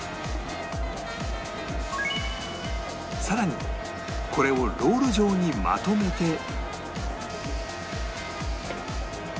更にこれをロール状にまとめて